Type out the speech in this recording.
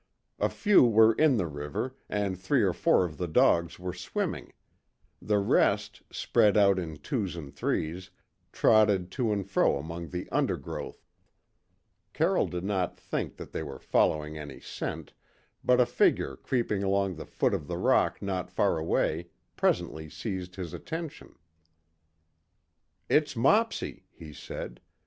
A few were in the river, and three or four of the dogs were swimming; the rest, spread out in twos and threes, trotted to and fro among the undergrowth, Carroll did not think they were following any scent, but a figure creeping along the foot of the rock not far away presently seized his attention. "It's Mopsy," he said.